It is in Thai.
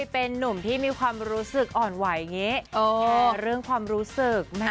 เป็นนุ่มนี้นึงเรื่องมีความรู้สึกอ่อนไหวแบบนั้นเรื่องความรู้สึก